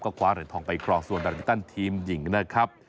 ก็ขวาเหลือทองไปครองส่วนดาร์ดิตันทีมหญิงนะครับ